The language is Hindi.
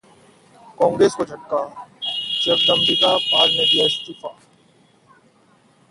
कांग्रेस को झटका, जगदंबिका पाल ने दिया इस्तीफा